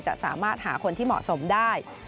จะสามารถหาคนที่เหมาะสมได้